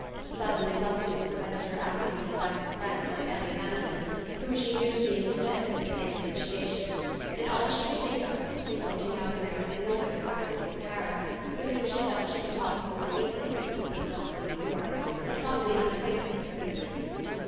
A sudden reluctance prevented her asking the advice of friends like Ellie Vanderlyn, whom she knew to be in the thick of the same negotiations, and all she could think of was to consult a young American lawyer practicing in Paris, with whom she felt she could talk the more easily because he was not from New York, and probably unacquainted with her history.